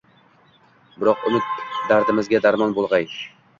Biroq umid dardimizga darmon boʼlgay…